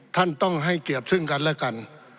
ท่านต้องให้เกียจขึ้นกันและกัน